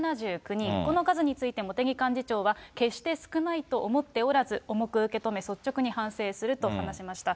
この数について茂木幹事長は、決して少ないと思っておらず、重く受け止め率直に反省すると話しました。